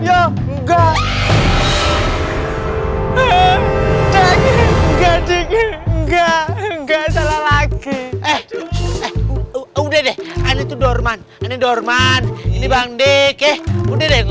enggak enggak enggak salah lagi eh udah deh ada itu dorman dorman ini bangde kek udah deh